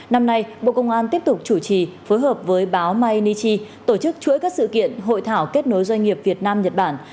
năm nay bộ công an tiếp tục chủ trì phối hợp với báo myanichi tổ chức chuỗi các sự kiện hội thảo kết nối doanh nghiệp việt nam nhật bản